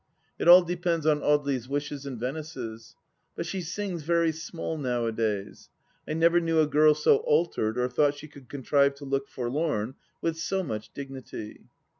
It all depends on Audely's wishes, and Venice's. But she sings very small nowadays. I never knew a girl so altered or thought she could contrive to look forlorn with so much dignity.